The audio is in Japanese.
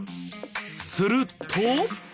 すると。